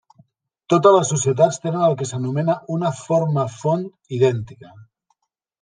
Totes les societats tenen el que s'anomena una forma font idèntica.